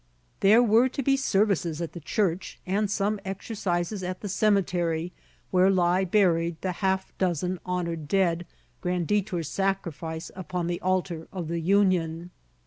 There were to be services at the church, and some exercises at the cemetery, where lie buried the half dozen honored dead, Grand Detour's sacrifice upon the altar of the Union.